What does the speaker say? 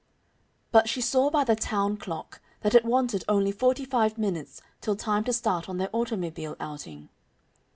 But she saw by the town clock that it wanted only forty five minutes till time to start on their automobile outing.